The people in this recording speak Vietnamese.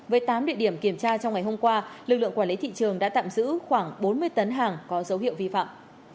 với tám địa điểm kiểm tra trong ngày hôm qua lực lượng quản lý thị trường đã tạm giữ khoảng bốn mươi tấn hàng có dấu hiệu vi phạm